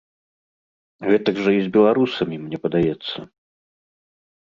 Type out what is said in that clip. Гэтак жа і з беларусамі, мне падаецца.